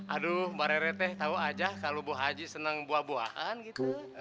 aduh mbak rereteh tahu aja kalau bu haji senang buah buahan gitu